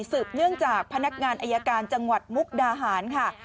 สืบเนื่องจากพนักงานอายการจังหวัดมุกดาหารค่ะ